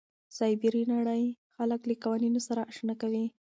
سایبري نړۍ خلک له قوانینو سره اشنا کوي.